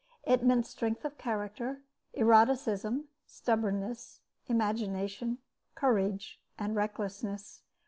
It meant strength of character, eroticism, stubbornness, imagination, courage, and recklessness.